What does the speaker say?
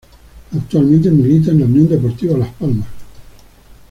Actualmente milita en la Unión Deportiva Las Palmas.